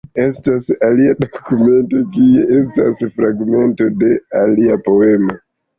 Estas alia dokumento, kie estas fragmento de lia poemo.